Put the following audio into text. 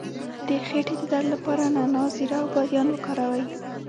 د خیټې د درد لپاره نعناع، زیره او بادیان وکاروئ